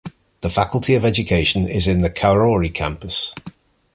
The Faculty of Education is in the Karori campus.